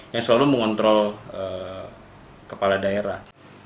yang selalu mengontrol kepala daerah